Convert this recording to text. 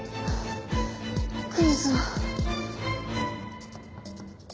クイズは。